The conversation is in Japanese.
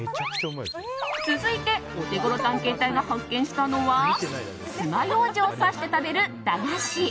続いてオテゴロ探検隊が発見したのはつまようじを刺して食べる駄菓子。